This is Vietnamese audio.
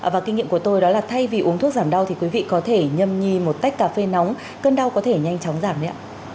và kinh nghiệm của tôi đó là thay vì uống thuốc giảm đau thì quý vị có thể nhâm nhi một tách cà phê nóng cơn đau có thể nhanh chóng giảm